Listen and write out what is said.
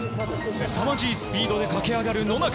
すさまじいスピードで駆け上がる野中。